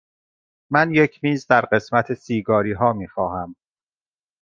من یک میز در قسمت سیگاری ها می خواهم.